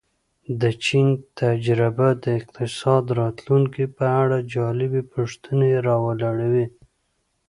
د چین تجربه د اقتصاد راتلونکې په اړه جالبې پوښتنې را ولاړوي.